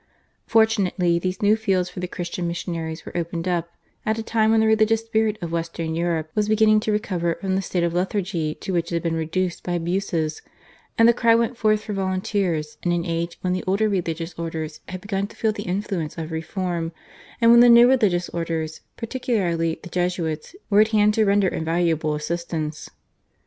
Fortunately these new fields for the Christian missionaries were opened up, at a time when the religious spirit of Western Europe was beginning to recover from the state of lethargy to which it had been reduced by abuses, and the cry went forth for volunteers in an age when the older religious orders had begun to feel the influence of reform, and when the new religious orders, particularly the Jesuits, were at hand to render invaluable assistance.